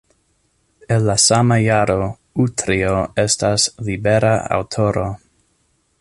El la sama jaro Utrio estas libera aŭtoro.